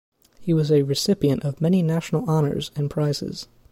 He was a recipient of many national honours and prizes.